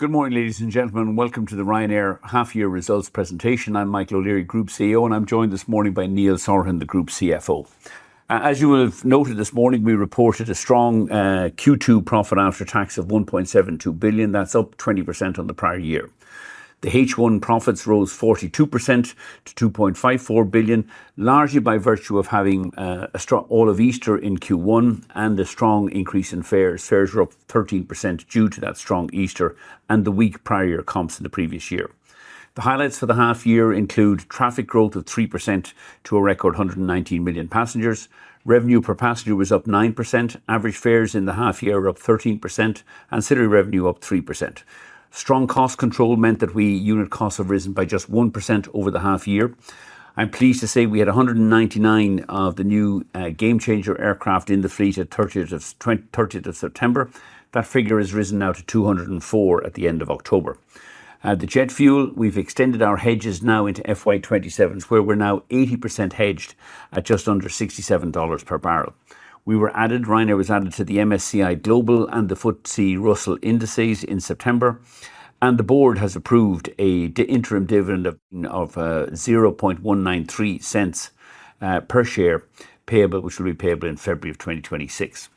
Good morning, ladies and gentlemen. Welcome to the Ryanair Half-year Results Presentation. I'm Michael O'Leary, Group CEO, and I'm joined this morning by Neil Sorahan, the Group CFO. As you will have noted this morning, we reported a strong Q2 profit after tax of 1.72 billion. That's up 20% on the prior year. The H1 profits rose 42% to 2.54 billion, largely by virtue of having a strong Easter in Q1 and a strong increase in fares. Fares were up 13% due to that strong Easter and the weak prior year comps in the previous year. The highlights for the half-year include traffic growth of 3% to a record 119 million passengers. Revenue per passenger was up 9%. Average fares in the half-year were up 13%, and ancillary revenue up 3%. Strong cost control meant that unit costs have risen by just 1% over the half-year. I'm pleased to say we had 199 of the new game-changer aircraft in the fleet at the 30th of September. That figure has risen now to 204 at the end of October. The jet fuel, we've extended our hedges now into FY 2027, where we're now 80% hedged at just under $67 per barrel. We were added, Ryanair was added to the MSCI Global and the FTSE Russell indices in September, and the board has approved an interim dividend of $0.193 per share payable, which will be payable in February of 2026.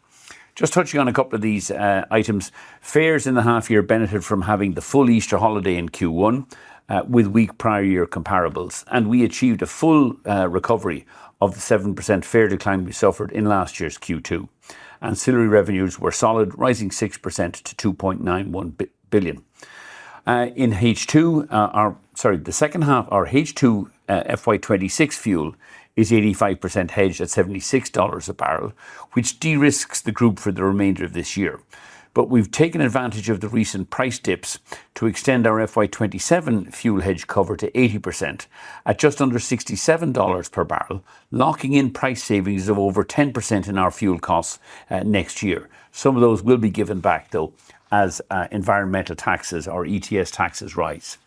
Just touching on a couple of these items, fares in the half-year benefited from having the full Easter holiday in Q1 with weak prior year comparables, and we achieved a full recovery of the 7% fare decline we suffered in last year's Q2, and ancillary revenues were solid, rising 6% to $2.91 billion. In H2, the second half, our H2 FY 2026 fuel is 85% hedged at $76 a barrel, which de-risks the group for the remainder of this year. But we've taken advantage of the recent price dips to extend our FY 2027 fuel hedge cover to 80% at just under $67 per barrel, locking in price savings of over 10% in our fuel costs next year. Some of those will be given back, though, as environmental taxes or ETS taxes rise.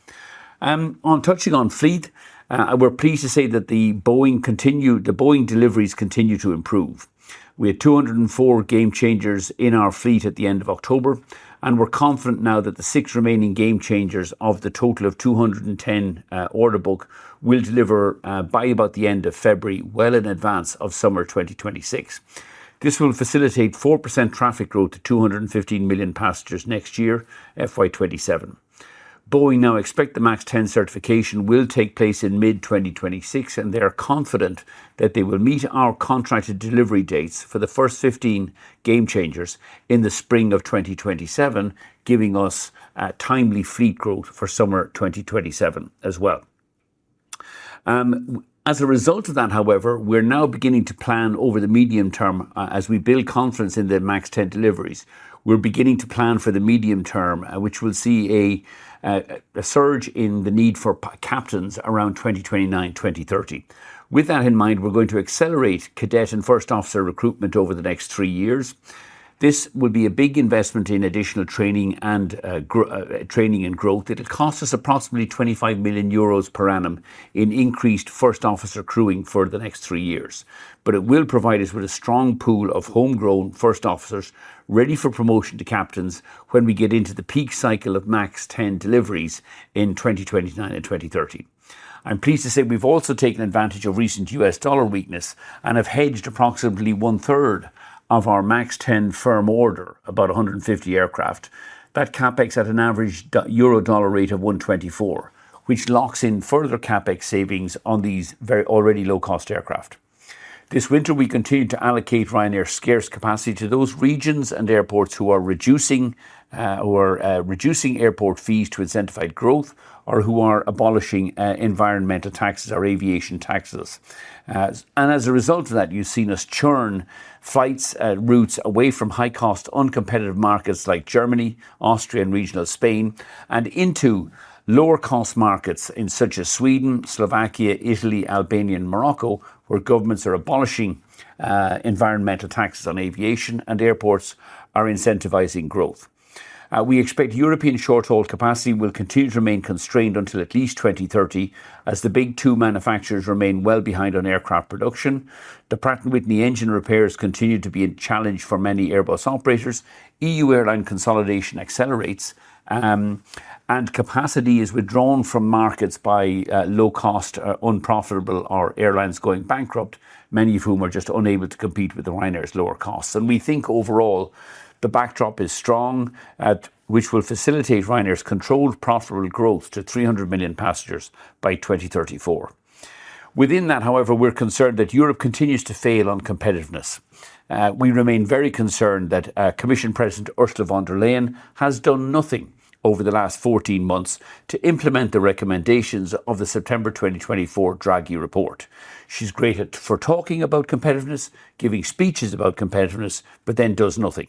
On touching on fleet, we're pleased to say that the Boeing deliveries continue to improve. We had 204 Gamechangers in our fleet at the end of October, and we're confident now that the six remaining Gamechangers of the total of 210 order book will deliver by about the end of February, well in advance of summer 2026. This will facilitate 4% traffic growth to 215 million passengers next year, FY 2027. Boeing now expect the MAX 10 certification will take place in mid-2026, and they are confident that they will meet our contracted delivery dates for the first 15 Gamechangers in the spring of 2027, giving us timely fleet growth for summer 2027 as well. As a result of that, however, we're now beginning to plan over the medium term as we build confidence in the MAX 10 deliveries. We're beginning to plan for the medium term, which will see a surge in the need for captains around 2029, 2030. With that in mind, we're going to accelerate cadet and first officer recruitment over the next three years. This will be a big investment in additional training and growth. It'll cost us approximately 25 million euros per annum in increased first officer crewing for the next three years, but it will provide us with a strong pool of homegrown first officers ready for promotion to captains when we get into the peak cycle of MAX 10 deliveries in 2029 and 2030. I'm pleased to say we've also taken advantage of recent US dollar weakness and have hedged approximately one third of our MAX 10 firm order, about 150 aircraft. That CapEx at an average euro dollar rate of 124, which locks in further CapEx savings on these very already low cost aircraft. This winter, we continue to allocate Ryanair's scarce capacity to those regions and airports who are reducing airport fees to incentivize growth or who are abolishing environmental taxes or aviation taxes. As a result of that, you've seen us churn flight routes away from high cost, uncompetitive markets like Germany, Austria, and regional Spain, and into lower cost markets such as Sweden, Slovakia, Italy, Albania, and Morocco, where governments are abolishing environmental taxes on aviation and airports are incentivizing growth. We expect European short haul capacity will continue to remain constrained until at least 2030 as the big two manufacturers remain well behind on aircraft production. The Pratt & Whitney engine repairs continue to be a challenge for many Airbus operators. EU airline consolidation accelerates, and capacity is withdrawn from markets by low cost, unprofitable airlines going bankrupt, many of whom are just unable to compete with Ryanair's lower costs. We think overall the backdrop is strong, which will facilitate Ryanair's controlled profitable growth to 300 million passengers by 2034. Within that, however, we're concerned that Europe continues to fail on competitiveness. We remain very concerned that Commission President Ursula von der Leyen has done nothing over the last 14 months to implement the recommendations of the September 2024 Draghi Report. She's great at talking about competitiveness, giving speeches about competitiveness, but then does nothing.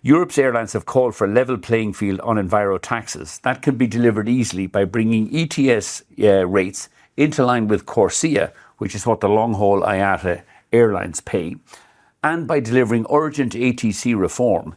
Europe's airlines have called for a level playing field on enviro taxes that can be delivered easily by bringing ETS rates into line with CORSIA, which is what the long haul IATA airlines pay, and by delivering urgent ATC reform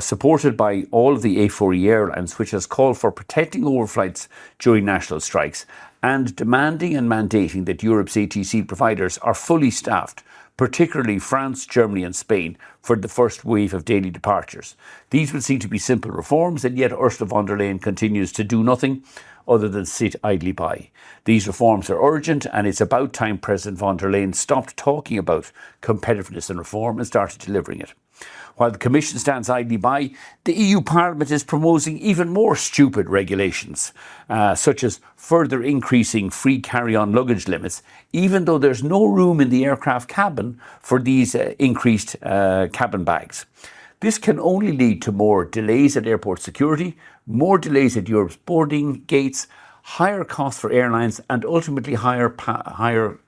supported by all of the A4E airlines, which has called for protecting overflights during national strikes and demanding and mandating that Europe's ATC providers are fully staffed, particularly France, Germany, and Spain, for the first wave of daily departures. These would seem to be simple reforms, and yet Ursula von der Leyen continues to do nothing other than sit idly by. These reforms are urgent, and it's about time President von der Leyen stopped talking about competitiveness and reform and started delivering it. While the Commission stands idly by, the EU Parliament is promoting even more stupid regulations, such as further increasing free carry-on luggage limits, even though there's no room in the aircraft cabin for these increased cabin bags. This can only lead to more delays at airport security, more delays at Europe's boarding gates, higher costs for airlines, and ultimately higher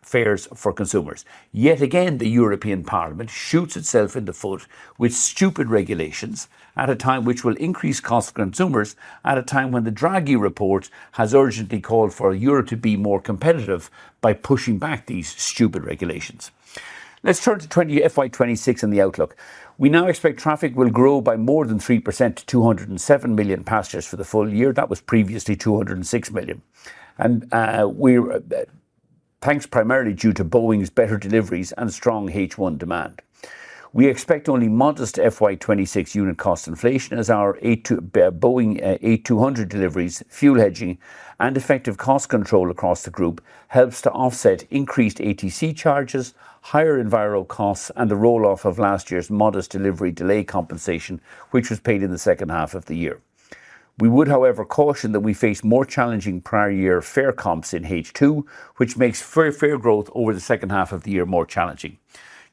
fares for consumers. Yet again, the European Parliament shoots itself in the foot with stupid regulations at a time which will increase costs for consumers at a time when the Draghi Report has urgently called for Europe to be more competitive by pushing back these stupid regulations. Let's turn to FY 2026 and the outlook. We now expect traffic will grow by more than 3% to 207 million passengers for the full year. That was previously 206 million. And we're thanks primarily due to Boeing's better deliveries and strong H1 demand. We expect only modest FY 2026 unit cost inflation, as our Boeing 8-200 deliveries, fuel hedging, and effective cost control across the group helps to offset increased ATC charges, higher enviro costs, and the roll off of last year's modest delivery delay compensation, which was paid in the second half of the year. We would, however, caution that we face more challenging prior year fare comps in H2, which makes fare growth over the second half of the year more challenging.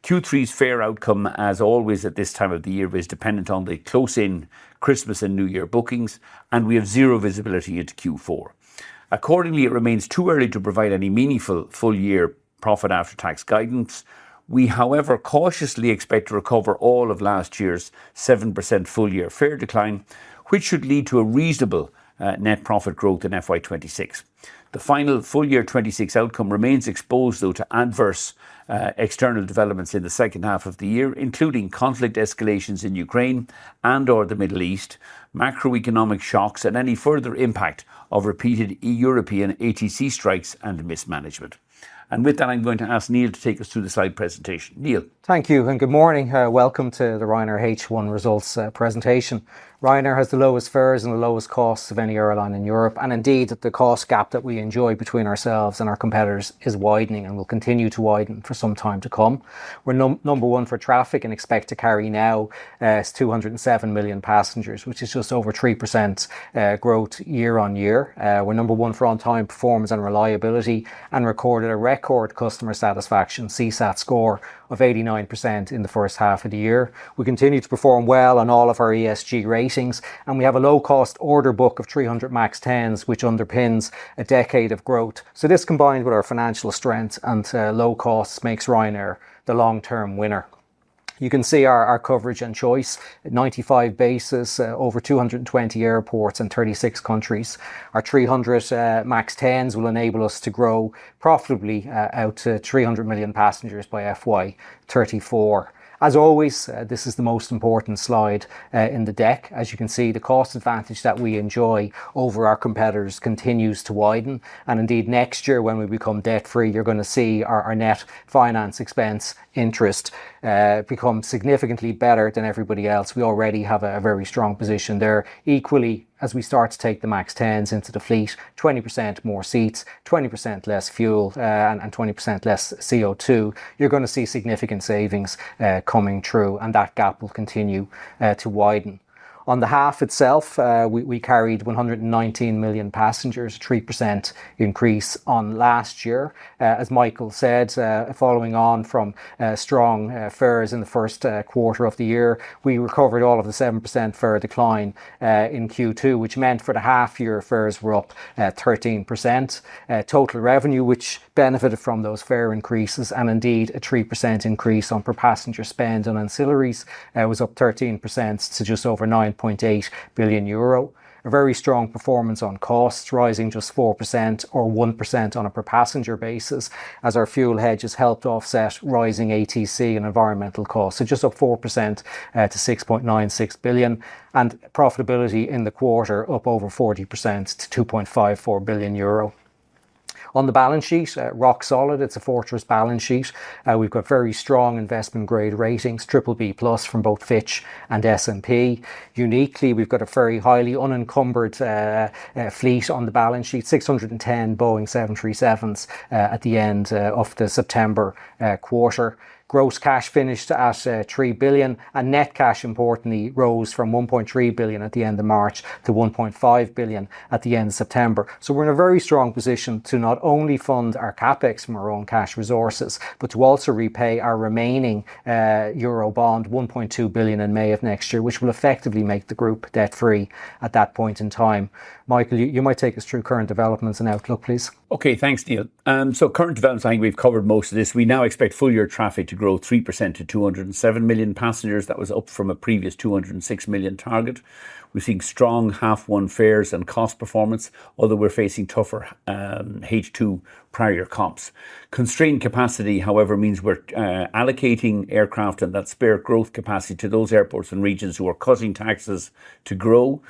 Q3's fare outcome, as always at this time of the year, is dependent on the close in Christmas and New Year bookings, and we have zero visibility into Q4. Accordingly, it remains too early to provide any meaningful full year Profit After Tax guidance. We, however, cautiously expect to recover all of last year's 7% full year fare decline, which should lead to a reasonable net profit growth in FY 2026. The final full year 26 outcome remains exposed, though, to adverse external developments in the second half of the year, including conflict escalations in Ukraine and/or the Middle East, macroeconomic shocks, and any further impact of repeated European ATC strikes and mismanagement. And with that, I'm going to ask Neil to take us through the slide presentation. Neil. Thank you and good morning. Welcome to the Ryanair H1 results presentation. Ryanair has the lowest fares and the lowest costs of any airline in Europe, and indeed, the cost gap that we enjoy between ourselves and our competitors is widening and will continue to widen for some time to come. We're number one for traffic and expect to carry now 207 million passengers, which is just over 3% growth year on year. We're number one for on-time performance and reliability and recorded a record customer satisfaction CSAT score of 89% in the first half of the year. We continue to perform well on all of our ESG ratings, and we have a low cost order book of 300 MAX 10s, which underpins a decade of growth, so this combined with our financial strength and low costs makes Ryanair the long term winner. You can see our coverage and choice at 95 bases, over 220 airports in 36 countries. Our 300 MAX 10s will enable us to grow profitably out to 300 million passengers by FY 2034. As always, this is the most important slide in the deck. As you can see, the cost advantage that we enjoy over our competitors continues to widen. And indeed, next year when we become debt free, you're going to see our net finance expense interest become significantly better than everybody else. We already have a very strong position there. Equally, as we start to take the MAX 10s into the fleet, 20% more seats, 20% less fuel, and 20% less CO2, you're going to see significant savings coming true, and that gap will continue to widen. On the half itself, we carried 119 million passengers, a 3% increase on last year. As Michael said, following on from strong fares in the first quarter of the year, we recovered all of the 7% fare decline in Q2, which meant for the half year fares were up 13%. Total revenue, which benefited from those fare increases, and indeed a 3% increase on per passenger spend on ancillaries, was up 13% to just over 9.8 billion euro. A very strong performance on costs, rising just 4% or 1% on a per passenger basis, as our fuel hedges helped offset rising ATC and environmental costs, so just up 4% to 6.96 billion, and profitability in the quarter up over 40% to 2.54 billion euro. On the balance sheet, rock solid. It's a fortress balance sheet. We've got very strong investment grade ratings, BBB+ from both Fitch and S&P. Uniquely, we've got a very highly unencumbered fleet on the balance sheet, 610 Boeing 737s at the end of Q3. Gross cash finished at 3 billion, and net cash importantly rose from 1.3 billion at the end of March to 1.5 billion at the end of September. So we're in a very strong position to not only fund our CapEx from our own cash resources, but to also repay our remaining euro bond, 1.2 billion in May of next year, which will effectively make the group debt free at that point in time. Michael, you might take us through current developments and outlook, please. Okay, thanks, Neil. So current developments, I think we've covered most of this. We now expect full year traffic to grow 3% to 207 million passengers. That was up from a previous 206 million target. We're seeing strong half one fares and cost performance, although we're facing tougher H2 prior comps. Constrained capacity, however, means we're allocating aircraft and that spare growth capacity to those airports and regions who are causing taxes to grow.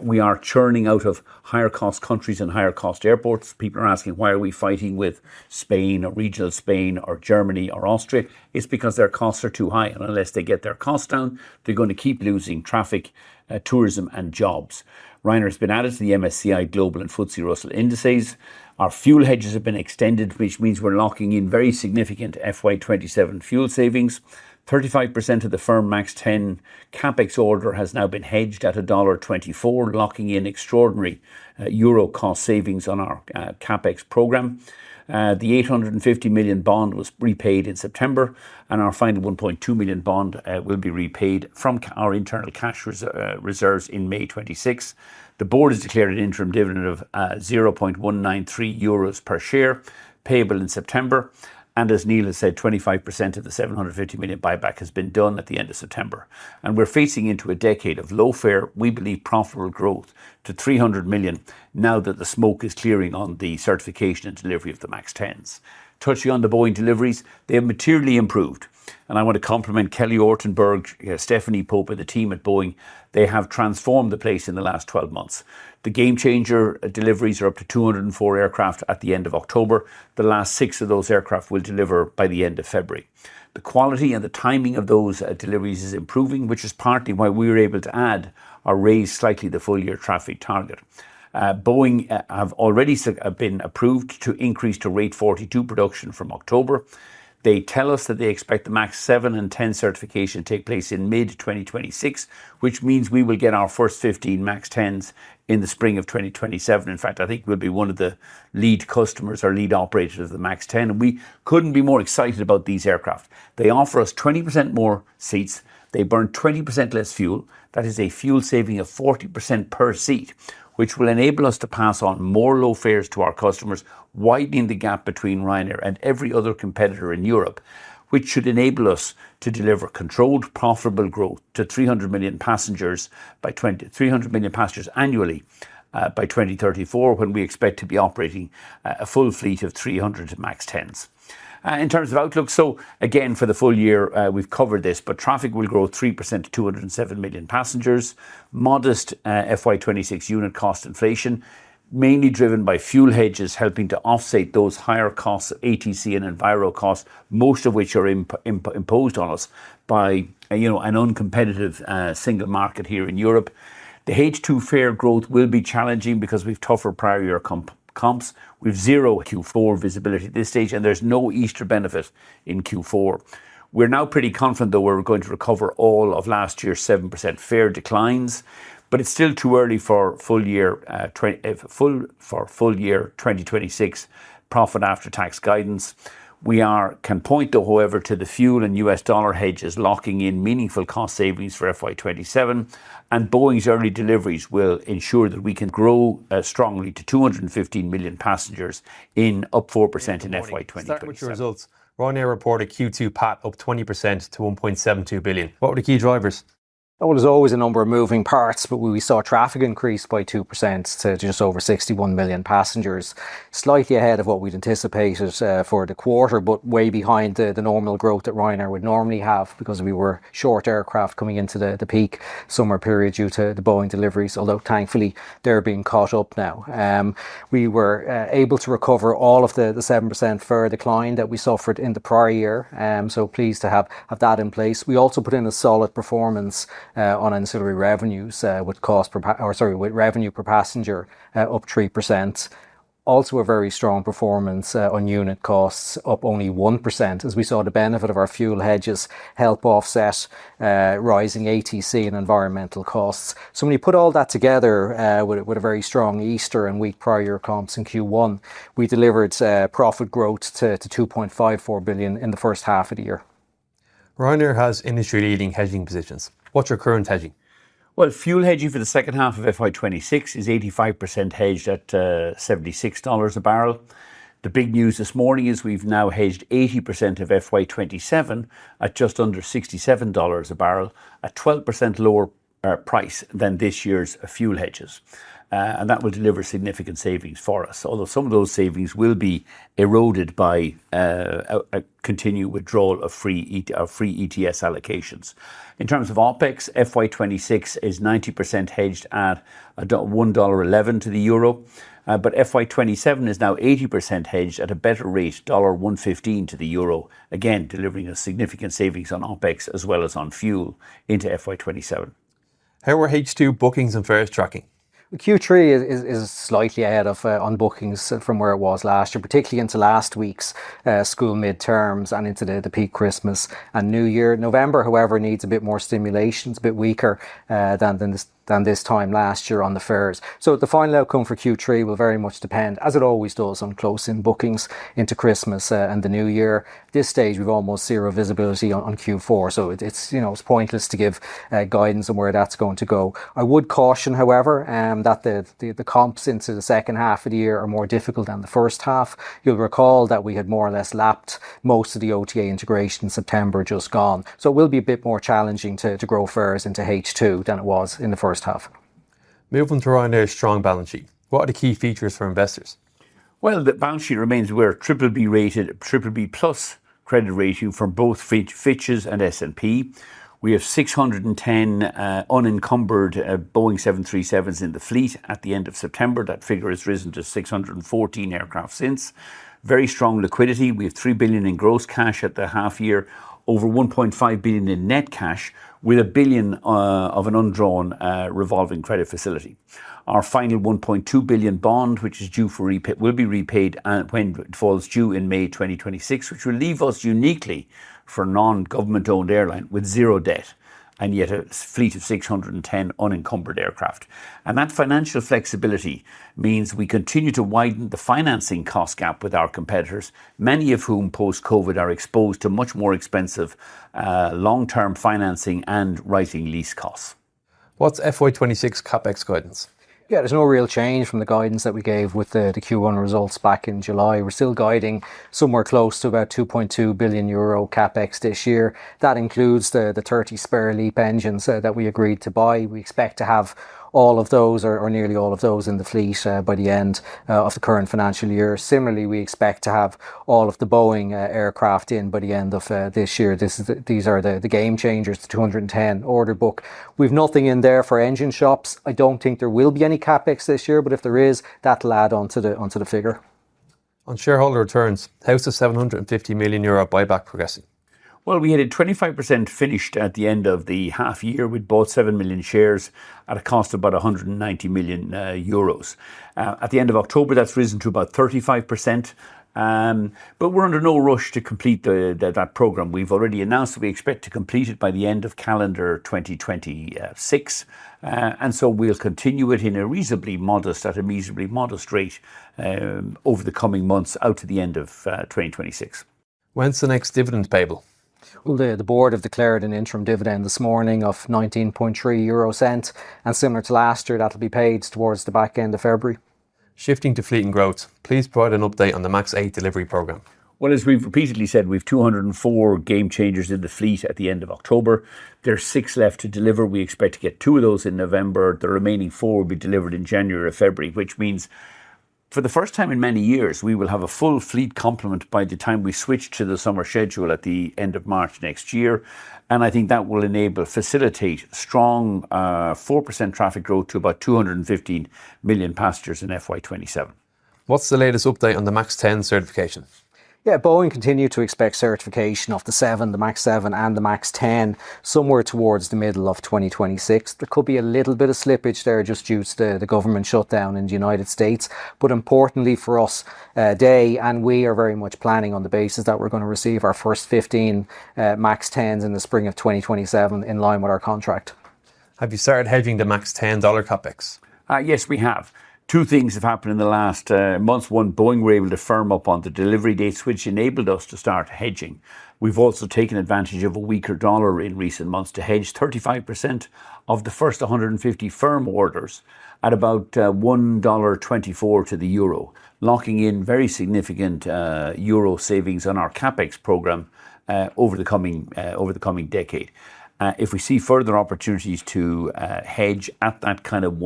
We are churning out of higher cost countries and higher cost airports. People are asking, why are we fighting with Spain or regional Spain or Germany or Austria? It's because their costs are too high, and unless they get their costs down, they're going to keep losing traffic, tourism, and jobs. Ryanair has been added to the MSCI Global and FTSE Russell indices. Our fuel hedges have been extended, which means we're locking in very significant FY 2027 fuel savings. 35% of the firm MAX 10 Capex order has now been hedged at $1.24, locking in extraordinary euro cost savings on our Capex program. The 850 million bond was repaid in September, and our final 1.2 million bond will be repaid from our internal cash reserves in May 2026. The board has declared an interim dividend of 0.193 euros per share, payable in September, and as Neil has said, 25% of the 750 million buyback has been done at the end of September, and we're facing into a decade of low fare. We believe profitable growth to 300 million now that the smoke is clearing on the certification and delivery of the MAX 10s. Touching on the Boeing deliveries, they have materially improved. I want to compliment Kelly Ortberg, Stephanie Pope, and the team at Boeing. They have transformed the place in the last 12 months. The Gamechanger deliveries are up to 204 aircraft at the end of October. The last six of those aircraft will deliver by the end of February. The quality and the timing of those deliveries is improving, which is partly why we were able to add or raise slightly the full year traffic target. Boeing have already been approved to increase to rate 42 production from October. They tell us that they expect the MAX 7 and 10 certification to take place in mid 2026, which means we will get our first 15 MAX 10s in the spring of 2027. In fact, I think we'll be one of the lead customers or lead operators of the MAX 10. We couldn't be more excited about these aircraft. They offer us 20% more seats. They burn 20% less fuel. That is a fuel saving of 40% per seat, which will enable us to pass on more low fares to our customers, widening the gap between Ryanair and every other competitor in Europe, which should enable us to deliver controlled profitable growth to 300 million passengers by 2030, 300 million passengers annually by 2034, when we expect to be operating a full fleet of 300 MAX 10s. In terms of outlook, so again, for the full year, we've covered this, but traffic will grow 3% to 207 million passengers. Modest FY 2026 unit cost inflation, mainly driven by fuel hedges helping to offset those higher costs of ATC and enviro costs, most of which are imposed on us by an uncompetitive single market here in Europe. The H2 fare growth will be challenging because we've tougher prior year comps. We've zero Q4 visibility at this stage, and there's no Easter benefit in Q4. We're now pretty confident that we're going to recover all of last year's 7% fare declines, but it's still too early for full year 2026 Profit After Tax guidance. We can point, though, however, to the fuel and US dollar hedges locking in meaningful cost savings for FY 2027, and Boeing's early deliveries will ensure that we can grow strongly to 215 million passengers in up 4% in FY 2023. Excitement with your results. Ryanair reported Q2 PAT up 20% to 1.72 billion. What were the key drivers? There's always a number of moving parts, but we saw traffic increase by 2% to just over 61 million passengers, slightly ahead of what we'd anticipated for the quarter, but way behind the normal growth that Ryanair would normally have because we were short aircraft coming into the peak summer period due to the Boeing deliveries, although thankfully they're being caught up now. We were able to recover all of the 7% fare decline that we suffered in the prior year, so pleased to have that in place. We also put in a solid performance on ancillary revenues with cost or sorry, with revenue per passenger up 3%. Also a very strong performance on unit costs up only 1%, as we saw the benefit of our fuel hedges help offset rising ATC and environmental costs. So when you put all that together with a very strong Easter and week prior comps in Q1, we delivered profit growth to 2.54 billion in the first half of the year. Ryanair has industry leading hedging positions. What's your current hedging? Well, fuel hedging for the second half of FY 2026 is 85% hedged at $76 a barrel. The big news this morning is we've now hedged 80% of FY 2027 at just under $67 a barrel, a 12% lower price than this year's fuel hedges. And that will deliver significant savings for us, although some of those savings will be eroded by a continued withdrawal of free ETS allocations. In terms of OpEx, FY 2026 is 90% hedged at $1.11 to the euro, but FY 2027 is now 80% hedged at a better rate, $1.15 to the euro, again delivering significant savings on OpEx as well as on fuel into FY 2027. How are H2 bookings and fares tracking? Q3 is slightly ahead of bookings from where it was last year, particularly into last week's school midterms and into the peak Christmas and New Year. November, however, needs a bit more stimulation, a bit weaker than this time last year on the fares. So the final outcome for Q3 will very much depend, as it always does, on closing bookings into Christmas and the New Year. At this stage, we've almost zero visibility on Q4, so it's pointless to give guidance on where that's going to go. I would caution, however, that the comps into the second half of the year are more difficult than the first half. You'll recall that we had more or less lapped most of the OTA integration in September just gone. So it will be a bit more challenging to grow fares into H2 than it was in the first half. Moving to Ryanair's strong balance sheet, what are the key features for investors? Well, the balance sheet remains triple B rated, triple B plus credit rating from both Fitch and S&P. We have 610 unencumbered Boeing 737s in the fleet at the end of September. That figure has risen to 614 aircraft since. Very strong liquidity. We have 3 billion in gross cash at the half year, over 1.5 billion in net cash with 1 billion of an undrawn revolving credit facility. Our final 1.2 billion bond, which is due for repayment, will be repaid when it falls due in May 2026, which will leave us uniquely for a non-government owned airline with zero debt and yet a fleet of 610 unencumbered aircraft. That financial flexibility means we continue to widen the financing cost gap with our competitors, many of whom post-COVID are exposed to much more expensive long-term financing and rising lease costs. What's FY 2026 CapEx guidance? Yeah, there's no real change from the guidance that we gave with the Q1 results back in July. We're still guiding somewhere close to about 2.2 billion euro CapEx this year. That includes the 30 spare LEAP engines that we agreed to buy. We expect to have all of those or nearly all of those in the fleet by the end of the current financial year. Similarly, we expect to have all of the Boeing aircraft in by the end of this year. These are the Gamechangers, the 210 order book. We've nothing in there for engine shops. I don't think there will be any CapEx this year, but if there is, that'll add onto the figure. On shareholder returns, how's the €750 million buyback progressing? Well, we had a 25% finished at the end of the half year with bought seven million shares at a cost of about €190 million. At the end of October, that's risen to about 35%. But we're under no rush to complete that program. We've already announced that we expect to complete it by the end of calendar 2026. And so we'll continue it at a reasonably modest rate over the coming months out to the end of 2026. When's the next dividend payable? The board have declared an interim dividend this morning of 19.3 euro, and similar to last year, that'll be paid towards the back end of February. Shifting to fleet and growth, please provide an update on the MAX 8 delivery program? Well, as we've repeatedly said, we've 204 Gamechangers in the fleet at the end of October. There are six left to deliver. We expect to get two of those in November. The remaining four will be delivered in January or February, which means for the first time in many years, we will have a full fleet complement by the time we switch to the summer schedule at the end of March next year. I think that will enable, facilitate strong 4% traffic growth to about 215 million passengers in FY 2027. What's the latest update on the MAX 10 certification? Yeah, Boeing continue to expect certification of the seven, the MAX 7 and the MAX 10 somewhere towards the middle of 2026. There could be a little bit of slippage there just due to the government shutdown in the United States, but importantly for us today, and we are very much planning on the basis that we're going to receive our first 15 MAX 10s in the spring of 2027 in line with our contract. Have you started hedging the MAX 10 dollar CapEx? Yes, we have. Two things have happened in the last month. One, Boeing were able to firm up on the delivery date, which enabled us to start hedging. We've also taken advantage of a weaker dollar in recent months to hedge 35% of the first 150 firm orders at about $1.24 to the euro, locking in very significant euro savings on our CapEx program over the coming decade. If we see further opportunities to hedge at that kind of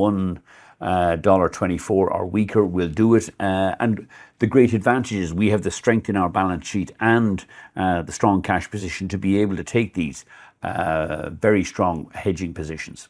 $1.24 or weaker, we'll do it. And the great advantage is we have the strength in our balance sheet and the strong cash position to be able to take these very strong hedging positions.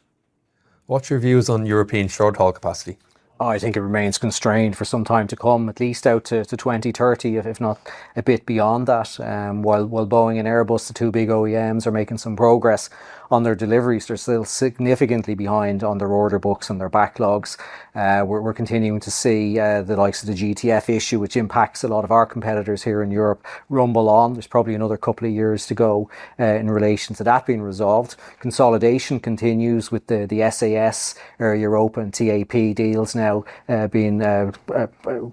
What's your views on European short haul capacity? Oh, I think it remains constrained for some time to come, at least out to 2030, if not a bit beyond that. While Boeing and Airbus, the two big OEMs, are making some progress on their deliveries, they're still significantly behind on their order books and their backlogs. We're continuing to see the likes of the GTF issue, which impacts a lot of our competitors here in Europe, rumble on. There's probably another couple of years to go in relation to that being resolved. Consolidation continues with the SAS, European TAP deals now being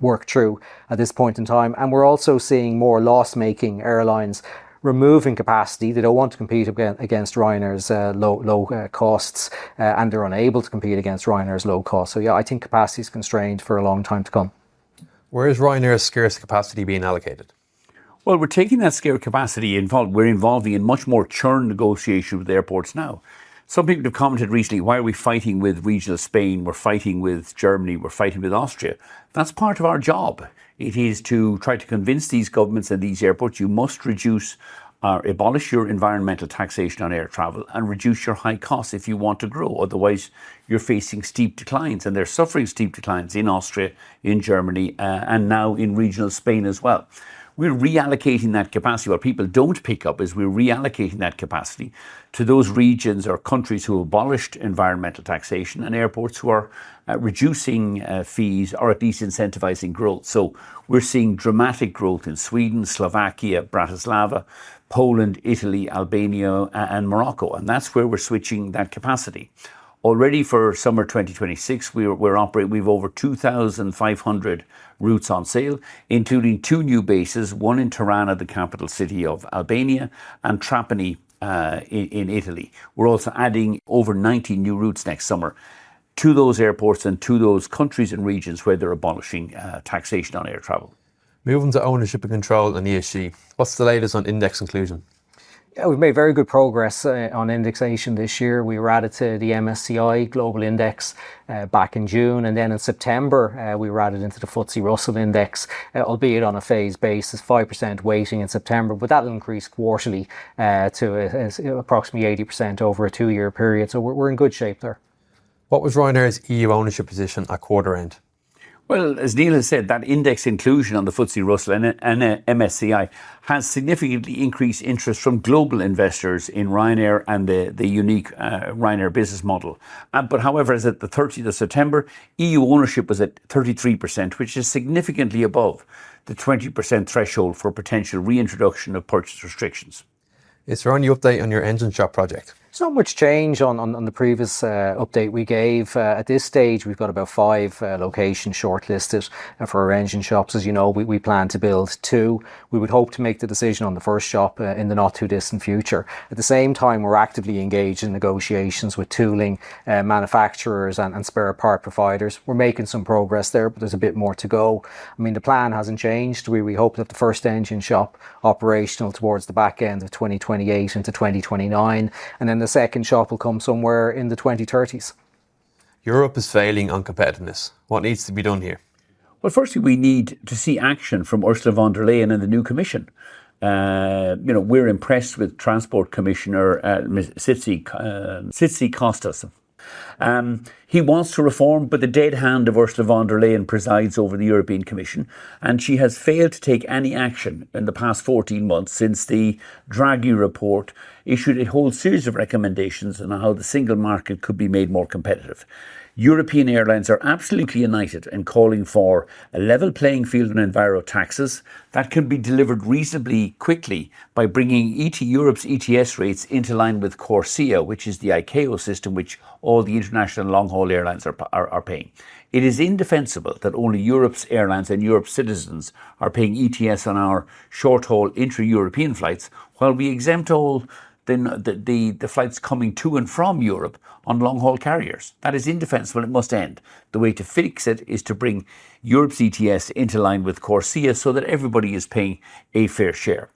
worked through at this point in time. And we're also seeing more loss-making airlines removing capacity. They don't want to compete against Ryanair's low costs, and they're unable to compete against Ryanair's low costs. So yeah, I think capacity is constrained for a long time to come. Where is Ryanair's scarce capacity being allocated? Well, we're taking that scarce capacity involved. We're involving in much more churn negotiation with airports now. Some people have commented recently, why are we fighting with regional Spain? We're fighting with Germany. We're fighting with Austria. That's part of our job. It is to try to convince these governments and these airports, you must reduce or abolish your environmental taxation on air travel and reduce your high costs if you want to grow. Otherwise, you're facing steep declines, and they're suffering steep declines in Austria, in Germany, and now in regional Spain as well. We're reallocating that capacity. What people don't pick up is we're reallocating that capacity to those regions or countries who abolished environmental taxation and airports who are reducing fees or at least incentivizing growth. So we're seeing dramatic growth in Sweden, Slovakia, Bratislava, Poland, Italy, Albania, and Morocco. And that's where we're switching that capacity. Already for summer 2026, we're operating. We've over 2,500 routes on sale, including two new bases, one in Tirana, the capital city of Albania, and Trapani in Italy. We're also adding over 90 new routes next summer to those airports and to those countries and regions where they're abolishing taxation on air travel. Moving to ownership and control in the ESG. What's the latest on index inclusion? Yeah, we've made very good progress on inclusion this year. We added to the MSCI Global Index back in June, and then in September, we added into the FTSE Russell Index, albeit on a phased basis, 5% weighting in September, but that increased quarterly to approximately 80% over a two-year period. So we're in good shape there. What was Ryanair's EU ownership position at quarter end? As Neil has said, that index inclusion on the FTSE Russell and MSCI has significantly increased interest from global investors in Ryanair and the unique Ryanair business model. But however, as of the 30th of September, EU ownership was at 33%, which is significantly above the 20% threshold for potential reintroduction of purchase restrictions. Is there any update on your engine shop project? It's not much change on the previous update we gave. At this stage, we've got about five locations shortlisted for our engine shops. As you know, we plan to build two. We would hope to make the decision on the first shop in the not too distant future. At the same time, we're actively engaged in negotiations with tooling manufacturers and spare part providers. We're making some progress there, but there's a bit more to go. I mean, the plan hasn't changed. We hope that the first engine shop operational towards the back end of 2028 into 2029, and then the second shop will come somewhere in the 2030s. Europe is failing on competitiveness. What needs to be done here? Well, firstly, we need to see action from Ursula von der Leyen and the new Commission. We're impressed with Transport Commissioner Tzitzikostas. He wants to reform, but the dead hand of Ursula von der Leyen presides over the European Commission, and she has failed to take any action in the past 14 months since the Draghi Report issued a whole series of recommendations on how the single market could be made more competitive. European airlines are absolutely united and calling for a level playing field on enviro taxes that can be delivered reasonably quickly by bringing Europe's ETS rates into line with CORSIA, which is the ICAO system which all the international long-haul airlines are paying. It is indefensible that only Europe's airlines and Europe's citizens are paying ETS on our short-haul intra-European flights while we exempt all the flights coming to and from Europe on long-haul carriers. That is indefensible. It must end. The way to fix it is to bring Europe's ETS into line with CORSIA so that everybody is paying a fair share.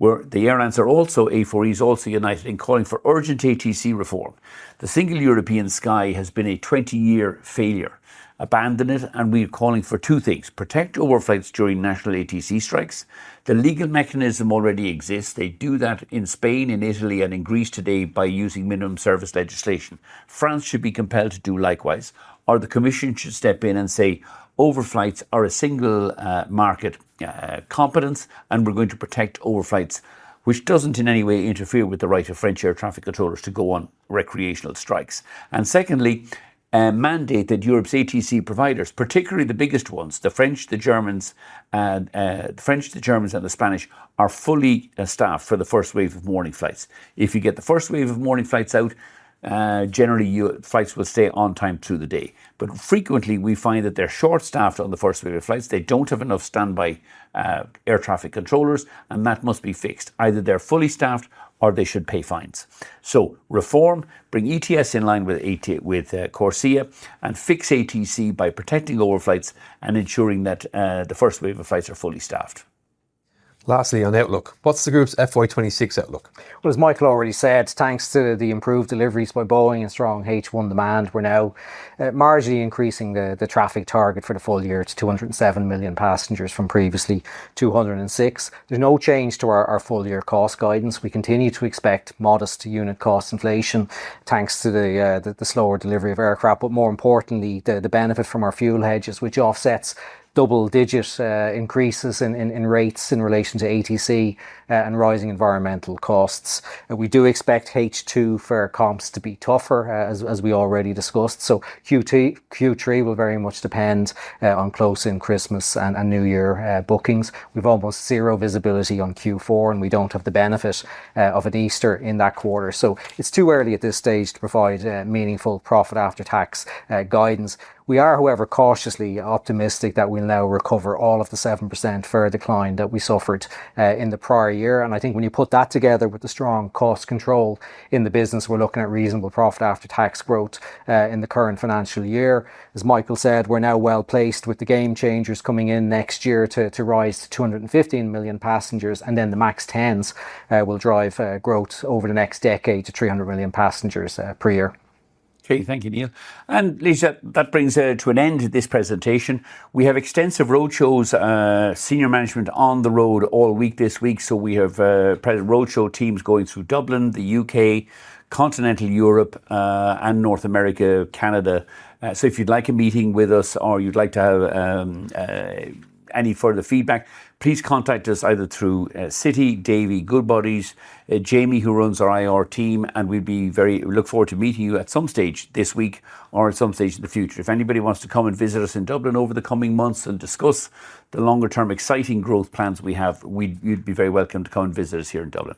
The airlines are also A4E's, also united in calling for urgent ATC reform. The Single European Sky has been a 20-year failure. Abandon it, and we're calling for two things: protect overflights during national ATC strikes. The legal mechanism already exists. They do that in Spain, in Italy, and in Greece today by using minimum service legislation. France should be compelled to do likewise, or the commission should step in and say overflights are a single market competence, and we're going to protect overflights, which doesn't in any way interfere with the right of French air traffic controllers to go on recreational strikes. And secondly, mandate that Europe's ATC providers, particularly the biggest ones, the French, the Germans, the French, the Germans, and the Spanish, are fully staffed for the first wave of morning flights. If you get the first wave of morning flights out, generally flights will stay on time through the day. But frequently we find that they're short-staffed on the first wave of flights. They don't have enough standby air traffic controllers, and that must be fixed. Either they're fully staffed or they should pay fines. Reform, bring ETS in line with CORSIA, and fix ATC by protecting overflights and ensuring that the first wave of flights are fully staffed. Lastly, on outlook, what's the group's FY 2026 outlook? Well, as Michael already said, thanks to the improved deliveries by Boeing and strong H1 demand, we're now marginally increasing the traffic target for the full year to 207 million passengers from previously 206. There's no change to our full year cost guidance. We continue to expect modest unit cost inflation thanks to the slower delivery of aircraft, but more importantly, the benefit from our fuel hedges, which offsets double-digit increases in rates in relation to ATC and rising environmental costs. We do expect H2 for comps to be tougher, as we already discussed. So Q3 will very much depend on close in Christmas and New Year bookings. We've almost zero visibility on Q4, and we don't have the benefit of an Easter in that quarter. So it's too early at this stage to provide meaningful profit after tax guidance. We are, however, cautiously optimistic that we'll now recover all of the 7% further decline that we suffered in the prior year. And I think when you put that together with the strong cost control in the business, we're looking at reasonable profit after tax growth in the current financial year. As Michael said, we're now well placed with the Gamechangers coming in next year to rise to 215 million passengers, and then the MAX 10s will drive growth over the next decade to 300 million passengers per year. Okay, thank you, Neil. And Lisa, that brings us to an end of this presentation. We have extensive roadshows, senior management on the road all week this week. So we have present roadshow teams going through Dublin, the UK, continental Europe, and North America, Canada. So if you'd like a meeting with us or you'd like to have any further feedback, please contact us either through Citi, Davy, Goodbody, Jamie, who runs our IR team, and we'd be very looking forward to meeting you at some stage this week or at some stage in the future. If anybody wants to come and visit us in Dublin over the coming months and discuss the longer-term exciting growth plans we have, you'd be very welcome to come and visit us here in Dublin.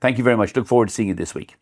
Thank you very much. Look forward to seeing you this week.